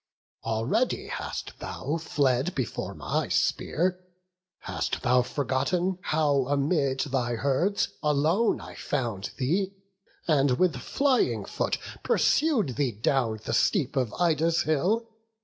Already hast thou fled before my spear; Hast thou forgotten how amid thy herds Alone I found thee, and with flying foot Pursued thee down the steep of Ida's hill?